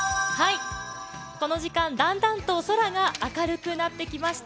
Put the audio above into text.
この時間だんだんと空が明るくなってきました。